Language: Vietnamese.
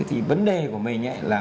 thì vấn đề của mình là